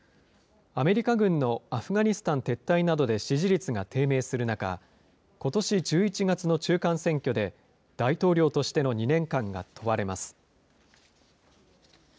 アメリカ軍のアフガニスタン撤退などで、支持率が低迷する中、ことし１１月の中間選挙で、大統領としての２年間が問われます。